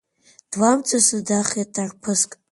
Дламҵасны дахеит арԥыск.